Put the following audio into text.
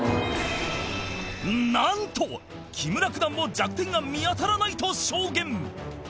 なんと木村九段も弱点が見当たらないと証言